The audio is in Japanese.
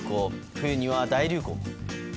冬には、大流行も？